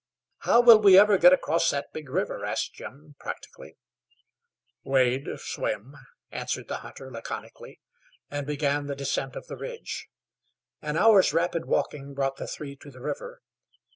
"How will we ever get across that big river?" asked Jim, practically. "Wade swim," answered the hunter, laconically, and began the descent of the ridge. An hour's rapid walking brought the three to the river.